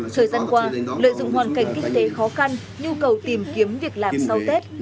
thời gian qua lợi dụng hoàn cảnh kinh tế khó khăn nhu cầu tìm kiếm việc làm sau tết